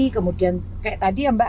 kemudian kayak tadi ya mbak